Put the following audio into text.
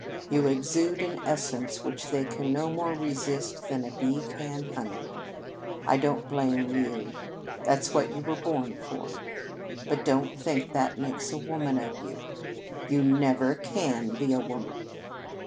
You exude an essence which they can no more resist than a bee can honey. I don't blame you. That's what you were born for. But don't think that makes a woman of you. You never can be a woman!